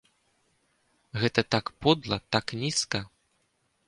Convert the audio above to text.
Гэта так подла, так нізка!